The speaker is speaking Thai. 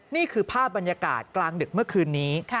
นี่คือภาพบรรยากาศกลางดึกเมื่อคืนนี้